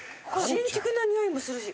新築のにおいもするし。